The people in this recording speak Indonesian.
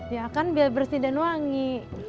ya kan biar bersih dan wangi